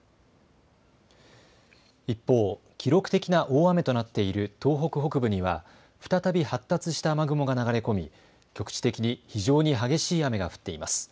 一方、記録的な大雨となっている東北北部には再び発達した雨雲が流れ込み局地的に非常に激しい雨が降っています。